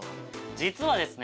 実はですね